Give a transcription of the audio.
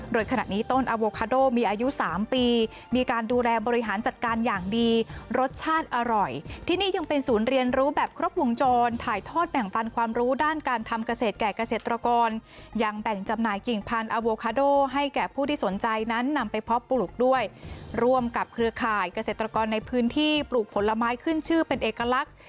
โดยขณะนี้ต้นอโวคาโดมีอายุ๓ปีมีการดูแลบริหารจัดการอย่างดีรสชาติอร่อยที่นี่ยังเป็นศูนย์เรียนรู้แบบครบวงจรถ่ายทอดแบ่งปันความรู้ด้านการทำเกษตรแก่เกษตรกรยังแบ่งจำหน่ายกิ่งพันธุ์อโวคาโดให้แก่ผู้ที่สนใจนั้นนำไปเพาะปลูกด้วยร่วมกับเครือข่ายเกษตรกรในพื้นที่ปลูกผลไม้ขึ้นชื่อเป็นเอกลักษณ์